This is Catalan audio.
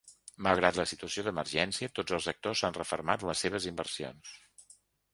Malgrat la situació d’emergència, tots els actors han refermat les seves inversions.